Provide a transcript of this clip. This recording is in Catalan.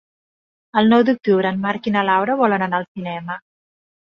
El nou d'octubre en Marc i na Laura volen anar al cinema.